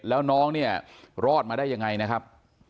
แล้วน้องเนี่ยรอดมาได้ยังไงนะครับ